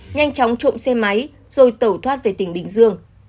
nhanh chóng trộm xe máy rồi tẩu thoát về tỉnh bình dương